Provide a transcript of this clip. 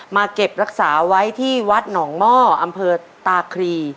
เก็บรักษาไว้ที่วัดหนองหม้ออำเภอตาครี